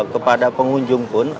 kepada pengunjung pun